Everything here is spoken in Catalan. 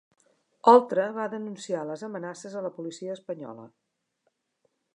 Oltra va denunciar les amenaces a la policia espanyola